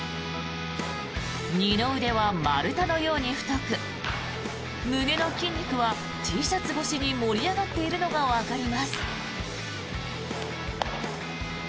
二の腕は丸太のように太く胸の筋肉はＴシャツ越しに盛り上がっているのがわかります。